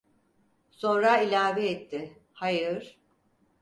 Sonra ilave etti: "Hayır…"